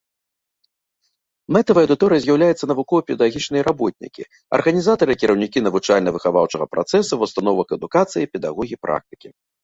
Мэтавай аўдыторыяй з'яўляюцца навукова-педагагічныя работнікі, арганізатары і кіраўнікі навучальна-выхаваўчага працэсу ва ўстановах адукацыі, педагогі-практыкі.